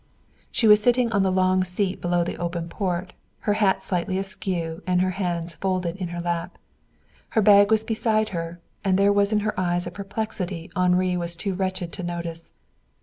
She was sitting on the long seat below the open port, her hat slightly askew and her hands folded in her lap. Her bag was beside her, and there was in her eyes a perplexity Henri was too wretched to notice.